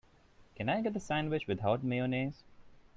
Can I get the sandwich without mayonnaise?